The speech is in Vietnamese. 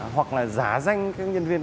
hoặc là giá danh của người thân bạn bè